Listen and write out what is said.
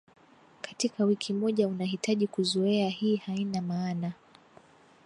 katika wiki moja Unahitaji kuzoea hii haina maana